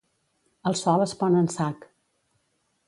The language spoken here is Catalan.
El sol es pon en sac.